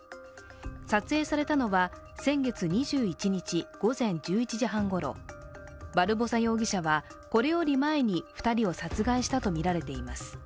撮影されたのは、先月２１日午前１１時半ごろバルボサ容疑者はこれより前に２人を殺害したとみられています。